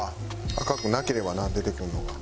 赤くなければな出てくるのが。